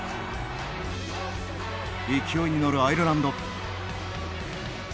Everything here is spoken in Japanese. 勢いに乗るアイルランド。